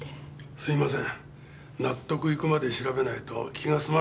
すみません。